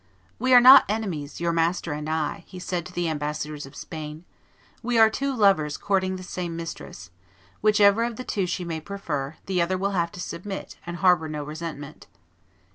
"We are not enemies, your master and I," he said to the ambassadors of Spain; "we are two lovers courting the same mistress: whichever of the two she may prefer, the other will have to submit, and harbor no resentment."